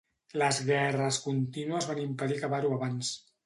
Les guerres contínues van impedir acabar-ho abans.